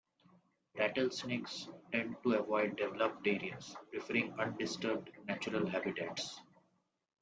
Rattlesnakes tend to avoid developed areas, preferring undisturbed, natural habitats.